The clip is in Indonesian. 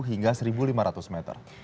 hingga satu lima ratus meter